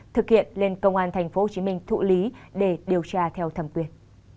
thực hiện lên công an tp hcm thụ lý để điều tra theo thẩm quyền